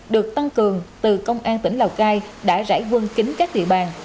được tăng cường từ công an tỉnh lào cai đã giải quân kính các địa bàn